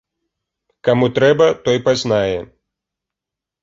Каму трэба, той пазнае.